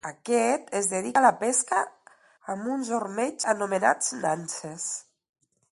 Aquest es dedica a la pesca amb uns ormeigs anomenats nanses.